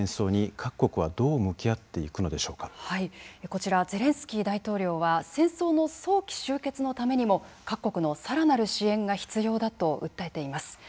こちらゼレンスキー大統領は戦争の早期終結のためにも各国のさらなる支援が必要だと訴えています。